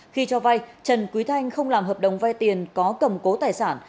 khi cho vai trần quý thanh không làm hợp đồng vai tiền có cầm cố tài sản